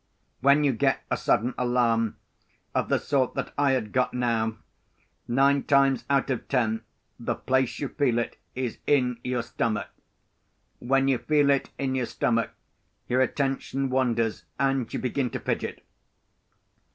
When you get a sudden alarm, of the sort that I had got now, nine times out of ten the place you feel it in is your stomach. When you feel it in your stomach, your attention wanders, and you begin to fidget.